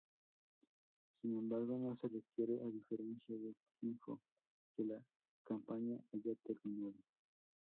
Sin embargo, no se requiere, a diferencia del triunfo, que la campaña haya terminado.